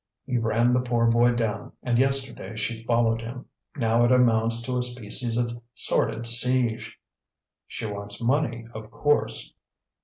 He ran the poor boy down, and yesterday she followed him. Now it amounts to a species of sordid siege." "She wants money, of course."